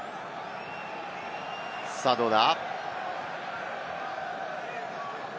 さぁどうだ。